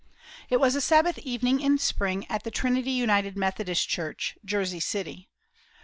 It was a Sabbath evening in spring at "The Trinity Methodist Church," Jersey City.